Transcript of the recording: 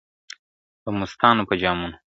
دمستانو په جامونو !.